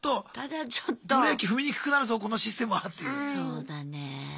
そうだね。